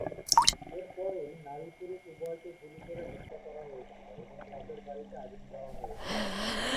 এরপরেই নারী-পুরুষ উভয়কে গুলি করে হত্যা করা হয়েছিল এবং তাদের বাড়িতে আগুন দেওয়া হয়েছিল।